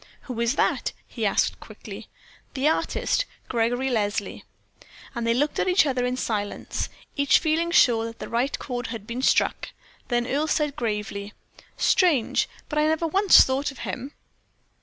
"Who is that?" he asked quickly. "The artist, Gregory Leslie." And they looked at each other in silence, each feeling sure that the right chord had been struck. Then Earle said, gravely: "Strange! but I never once thought of him."